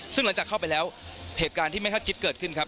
ซึ่งหลังจากเข้าไปแล้วเหตุการณ์ที่ไม่คาดคิดเกิดขึ้นครับ